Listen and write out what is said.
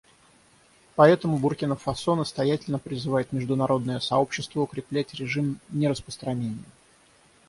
Поэтому Буркина-Фасо настоятельно призывает международное сообщество укреплять режим нераспространения.